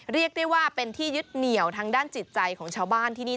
เรียกได้ว่าเป็นที่ยึดเหนียวทางด้านจิตใจของชาวบ้านที่นี่